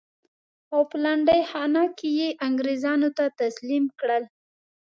او په لنډۍ خانه کې یې انګرېزانو ته تسلیم کړل.